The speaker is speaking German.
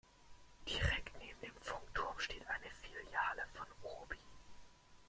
Direkt neben dem Funkturm steht eine Filiale von Obi.